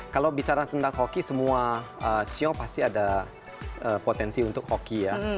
kalau bicara tentang hoki semua sio pasti ada potensi untuk hoki ya